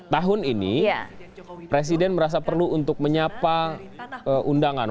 tahun ini presiden merasa perlu untuk menyapa undangan